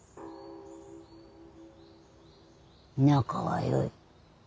仲はよい。